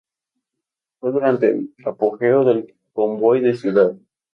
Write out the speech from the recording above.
Fue durante el apogeo del "Cowboy de ciudad".